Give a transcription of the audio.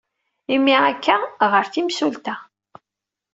Imi akka, ɣer i temsulta.